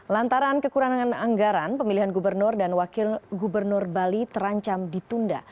lantaran kekurangan anggaran pemilihan gubernur dan wakil gubernur bali terancam ditunda